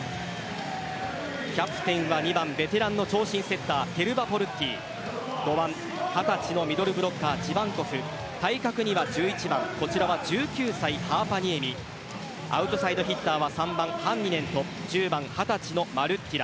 キャプテンは２番ベテランの長身セッターテルバポルッティ５番、２０歳のミドルブロッカー・ジバンコフ対角には１１番こちらは１９歳、ハーパニエミアウトサイドヒッターは３番・ハンニネンと１０番２０歳のマルッティラ。